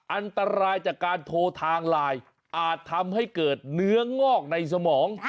อันตรายจากการโทรทางไลน์อาจทำให้เกิดเนื้องอกในสมอง